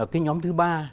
cái nhóm thứ ba